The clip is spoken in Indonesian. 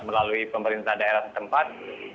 melalui pemerintah daerah tempat